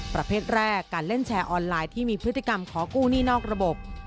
ประเภทแรกการเล่นแชร์ออนไลน์ที่มีพฤติกรรมขอกู้หนี้นอกระบบ